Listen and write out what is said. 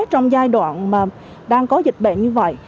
trong giai đoạn mà đang có dịch bệnh như vậy